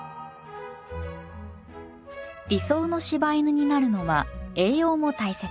理想の柴犬になるのは栄養も大切。